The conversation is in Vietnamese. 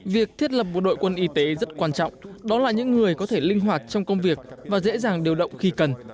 việc thiết lập một đội quân y tế rất quan trọng đó là những người có thể linh hoạt trong công việc và dễ dàng điều động khi cần